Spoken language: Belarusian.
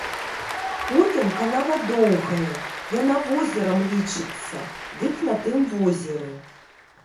Потым канава доўгая, яна возерам лічыцца, дык на тым возеры.